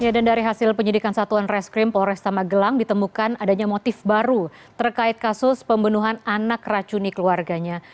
dan dari hasil penyidikan satuan reskrim polres tamagelang ditemukan adanya motif baru terkait kasus pembunuhan anak racuni keluarganya